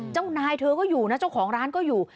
เจ้านายเธอก็อยู่นะเจ้าของร้านก็อยู่